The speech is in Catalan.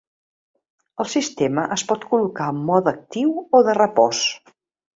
El sistema es pot col·locar en mode actiu o de repòs.